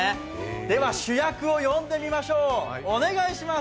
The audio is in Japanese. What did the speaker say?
では主役を呼んでみましょう、お願いします。